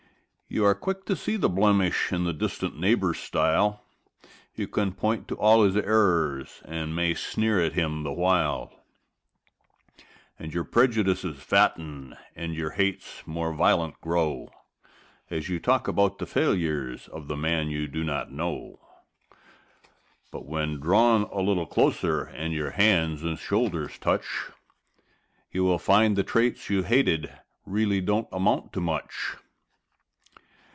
You are quick to see the blemish in the distant neighbor's style, You can point to all his errors and may sneer at him the while, And your prejudices fatten and your hates more violent grow As you talk about the failures of the man you do not know, But when drawn a little closer, and your hands and shoulders touch, You find the traits you hated really don't amount to much.